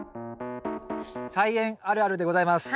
「菜園あるある」でございます。